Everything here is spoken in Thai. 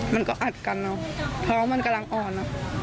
มันก็อัดกันเนอะเพราะว่ามันกำลังอ่อน